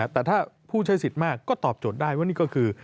แต่ถ้าผู้ใช้สิทธิ์มากก็ตอบโจทย์ได้ว่านี่ก็คือ